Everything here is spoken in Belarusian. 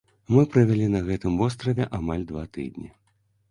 Мы правялі на гэтым востраве амаль два тыдні.